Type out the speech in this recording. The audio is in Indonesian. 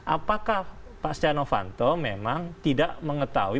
apakah pak stjanovanto memang tidak mengetahui